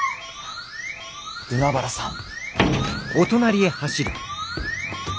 海原さん！？